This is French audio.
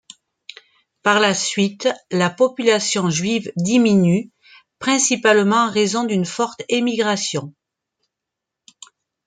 Par la suite, la population juive diminue, principalement en raison d'une forte émigration.